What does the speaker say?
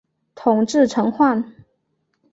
统制陈宧。